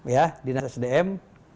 ya dinas sdm